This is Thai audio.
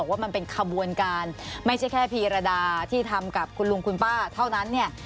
ว่ามันเป็นขบวนการไม่ใช่แค่พีรดาที่ทำกับคุณลุงคุณป้าเท่านั้นเนี่ย